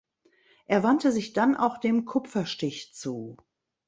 Er wandte sich dann auch dem Kupferstich zu.